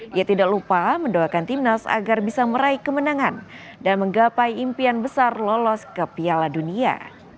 dia tidak lupa mendoakan timnas agar bisa meraih kemenangan dan menggapai impian besar lolos ke piala dunia